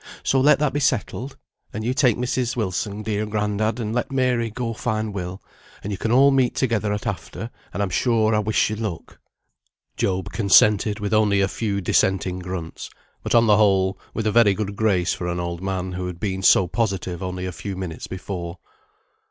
So let that be settled. And you take Mrs. Wilson, dear grandad, and let Mary go find Will, and you can all meet together at after, and I'm sure I wish you luck." Job consented with only a few dissenting grunts; but on the whole, with a very good grace for an old man who had been so positive only a few minutes before.